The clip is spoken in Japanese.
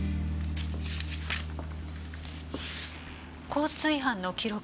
交通違反の記録。